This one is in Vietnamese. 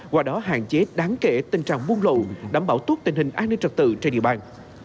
qua đó hạn chế đáng kể tình trạng buôn lộ đảm bảo tốt tình hình an ninh trật tự trên địa bàn